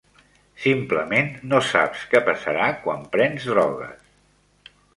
Simplement no saps què passarà quan prens drogues.